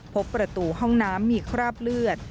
พบประตูห้องน้ำมีคราบเลือด